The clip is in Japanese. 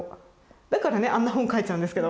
だからねあんな本書いちゃうんですけど。